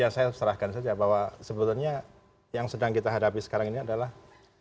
saya serahkan saja bahwa sebenarnya yang sedang kita hadapi sekarang ini adalah sebuah usaha sosial